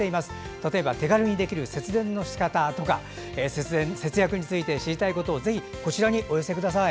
例えば手軽にできる節電のしかたとか節約について知りたいことをどうぞこちらにお寄せください。